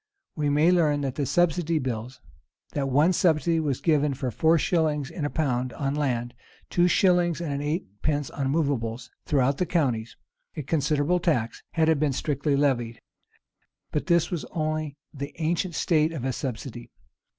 We may learn from the subsidy bills,[v] that one subsidy was given for four shillings in the pound on land, and two shillings and eightpence on movables throughout the counties; a considerable tax, had it been strictly levied. But this was only the ancient state of a subsidy.